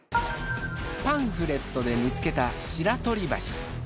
パンフレットで見つけた白鳥橋。